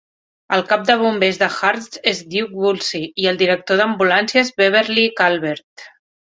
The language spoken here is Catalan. El cap de bombers de Hurst és Duke Woolsey i el director d'ambulàncies Beverly Calvert.